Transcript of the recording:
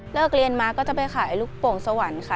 เรียนมาก็จะไปขายลูกโป่งสวรรค์ค่ะ